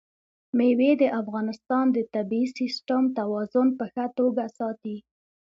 مېوې د افغانستان د طبعي سیسټم توازن په ښه توګه ساتي.